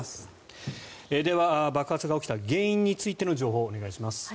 では爆発が起きた原因についての情報、お願いします。